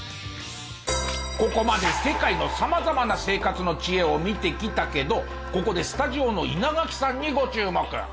ここまで世界の様々な生活の知恵を見てきたけどここでスタジオの稲垣さんにご注目！